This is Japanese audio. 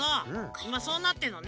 いまそうなってるのね。